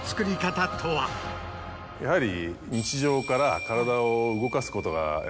やはり。